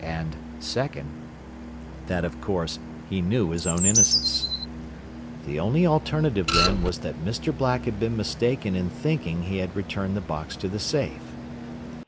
And, "Second: That, of course, he knew his own innocence." The only alternative, then, was that Mr. Black had been mistaken in thinking he had returned the box to the safe.